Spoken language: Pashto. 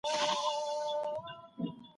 هیوادونه د جرمونو په مخنیوي کي واحد نظر لري.